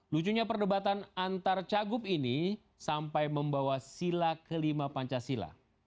lucunya perdebatan antar cagup ini sampai membawa sila kelima pancasila